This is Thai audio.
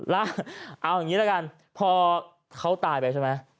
เอาอย่างนี้แล้วกันพอเขาตายไปใช่ไหม